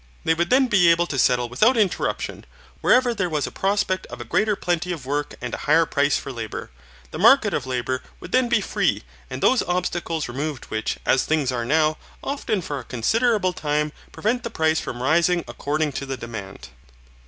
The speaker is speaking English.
They would then be able to settle without interruption, wherever there was a prospect of a greater plenty of work and a higher price for labour. The market of labour would then be free, and those obstacles removed which, as things are now, often for a considerable time prevent the price from rising according to the demand.